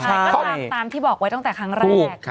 ใช่ก็ตามที่บอกไว้ตั้งแต่ครั้งแรก